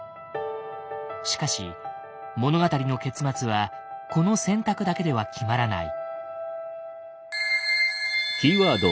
しかし物語の結末はこの選択だけでは決まらない。